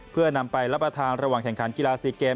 เพื่อนำไปรับประทานระหว่างแข่งขันกีฬา๔เกม